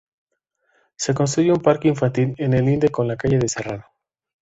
Se construye un parque infantil en el linde con la calle se Serrano.